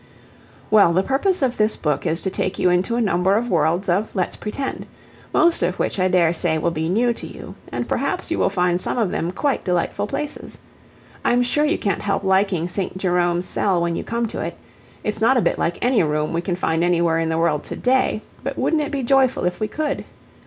Well, the purpose of this book is to take you into a number of worlds of 'Let's pretend,' most of which I daresay will be new to you, and perhaps you will find some of them quite delightful places. I'm sure you can't help liking St. Jerome's Cell when you come to it. It's not a bit like any room we can find anywhere in the world to day, but wouldn't it be joyful if we could?